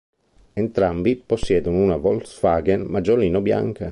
Entrambi possiedono una Volkswagen Maggiolino bianca.